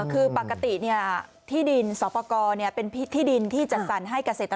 คือปกติที่ดินสอปกรเป็นที่ดินที่จัดสรรให้เกษตร